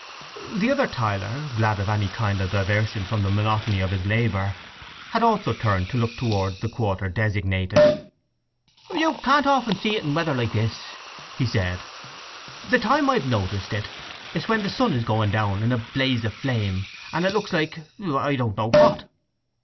The other tiler, glad of any kind of diversion from the monotony of his labour, had also turned to look towards the quarter designated. "You can't often see it in weather like this," he said. "The time I've noticed it is when the sun is going down in a blaze of flame, and it looks like—I don't know what."